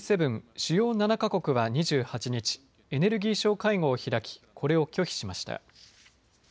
・主要７か国は２８日、エネルギー相会合を開きこれを拒否しました。